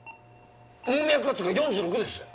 門脈圧が４６です！